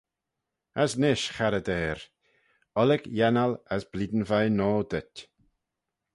As nish, charrey deyr, ollick ghennal as blein vie noa dhyt.